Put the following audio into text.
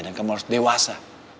dan kamu harus dewasa